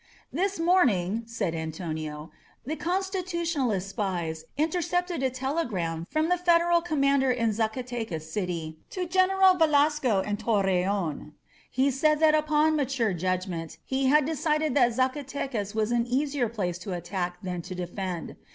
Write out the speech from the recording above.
"This morning," said Antonio, "the Constitutionalist spies intercepted a telegram from the Federal com mander in Zacatecas City to General Velasco in Tor reon. He said that upon mature judgment he had de cided that Zacatecas was an easier place to attack than to defend.